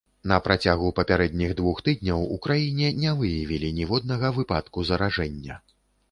На працягу папярэдніх двух тыдняў у краіне ня выявілі ніводнага выпадку заражэння.